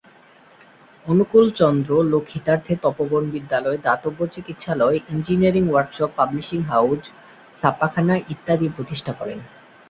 অনুকূলচন্দ্র লোকহিতার্থে তপোবন বিদ্যালয়, দাতব্য চিকিৎসালয়, ইঞ্জিনিয়ারিং ওয়ার্কশপ, পাবলিশিং হাউজ, ছাপাখানা ইত্যাদি প্রতিষ্ঠা করেন।